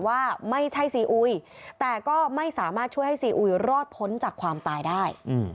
ว่าไม่ใช่ซีอุยแต่ก็ไม่สามารถช่วยให้ซีอุยรอดพ้นจากความตายได้